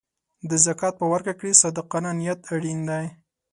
د زکات په ورکړه کې صادقانه نیت اړین دی.